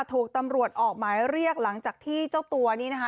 ถูกตำรวจออกหมายเรียกหลังจากที่เจ้าตัวนี้นะคะ